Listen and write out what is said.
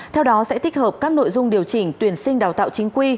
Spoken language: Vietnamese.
theo đó sẽ tích hợp các nội dung điều chỉnh tuyển sinh đào tạo chính quy